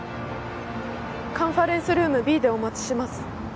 カンファレンスルームＢでお待ちします。